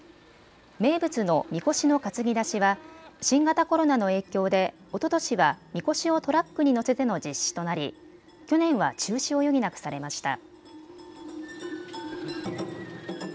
名物のみこしの担ぎ出しは新型コロナの影響でおととしはみこしをトラックに乗せての実施となり去年は中止を余儀なくされました。